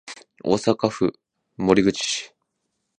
大阪府守口市